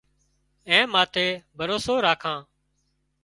اين ماٿي ڀروسو راکان